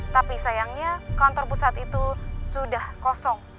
tapi sayangnya kantor pusat itu sudah kosong